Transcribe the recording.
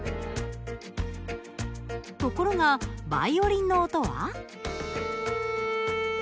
ところがバイオリンの音は？